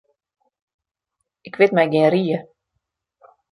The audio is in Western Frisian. Ik wit my gjin rie.